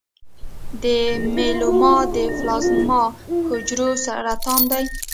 د میلوما د پلازما حجرو سرطان دی.